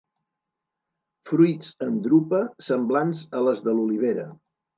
Fruits en drupa semblants a les de l'olivera.